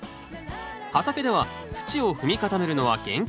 畑では土を踏み固めるのは厳禁。